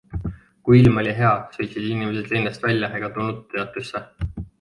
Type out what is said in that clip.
Kui ilm oli hea, sõitsid inimesed linnast välja ega tulnud teatrisse.